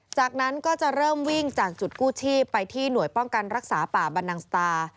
จากนั้นก็จะเริ่มวิ่งจากจุดกู้ชีพไปที่หน่วยป้องกันรักษาป่าบันนังสตา